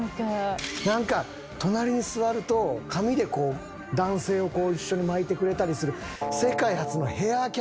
なんか隣に座ると髪でこう男性をこう一緒に巻いてくれたりする。